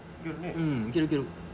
うんいけるいける。